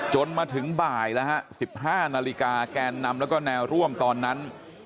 จนมาถึงบ่ายแล้วฮะ๑๕นาฬิกาแกนนำแล้วก็แนวร่วมตอนนั้น